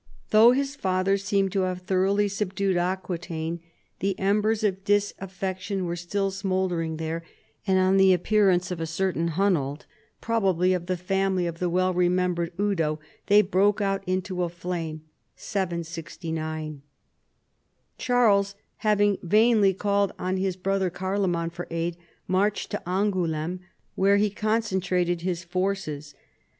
Though his father seemed to have thoroughly subdued Aqui taine, the embers of disaffection were still smoulder ing there, and on the appearance of a certain Hunold, probably of the family of the well remem bered Eudo, they broke out into a flame (769). Charles, having vainly called on his brother Carlo man for aid, marched to Angouleme, where he con centrated his forces.